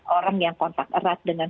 orang yang kontak erat dengan